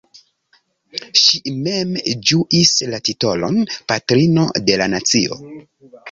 Ŝi mem ĝuis la titolon "Patrino de la Nacio".